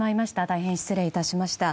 大変失礼いたしました。